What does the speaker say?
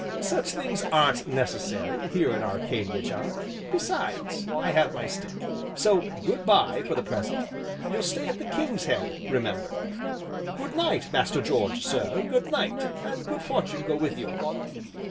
"Such things aren't necessary here in Arcadia, John, besides, I have my stick. So good bye, for the present, you'll stay at the 'King's Head,' remember." "Good night, Master George, sir, goodnight! and good fortune go with you."